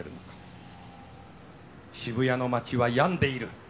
渋谷の街は病んでいる。